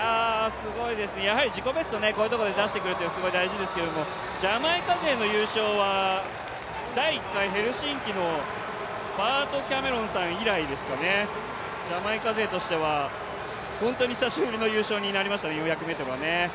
すごいです、やはり自己ベストをこういうところで出してくるというのは大事ですけどジャマイカ勢の優勝は第１回ヘルシンキのキャメロンさん以来ですかね、ジャマイカ勢としてはホントに久しぶりの優勝となりましたね。